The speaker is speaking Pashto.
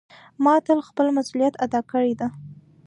ما تل خپل مسؤلیت ادا کړی ده.